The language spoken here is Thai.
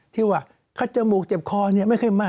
ที่ว่าคัดจมูกเจ็บคอไม่ค่อยมาก